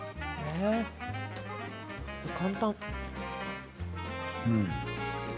簡単。